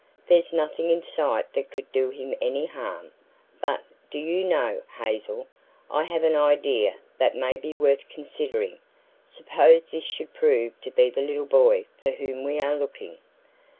"There's nothing in sight that could do him any harm. But, do you know, Hazel, I have an idea that may be worth considering. Suppose this should prove to be the little boy for whom we are looking."